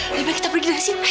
lebih baik kita pergi dari sini